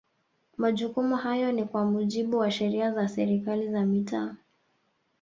Majukumu hayo ni kwa mujibu wa Sheria za serikali za mitaa